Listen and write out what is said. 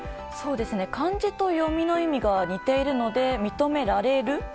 漢字と読みの意味が似ているので認められる？